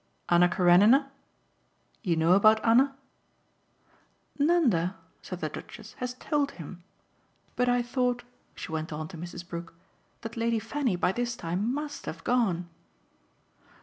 "Anna Karenine? You know about Anna?" "Nanda," said the Duchess, "has told him. But I thought," she went on to Mrs. Brook, "that Lady Fanny, by this time, MUST have gone."